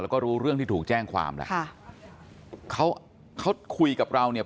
แล้วก็รู้เรื่องที่ถูกแจ้งความล่ะค่ะค่ะ